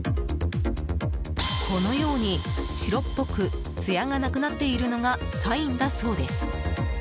このように、白っぽくつやがなくなっているのがサインだそうです。